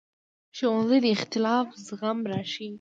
ښوونځی د اختلاف زغم راښيي